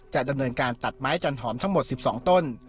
จะดำเนินการตัดไม้จันหอมทั้งหมด๑๒ต้น